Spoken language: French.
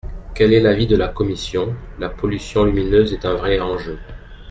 Quel est l’avis de la commission ? La pollution lumineuse est un vrai enjeu.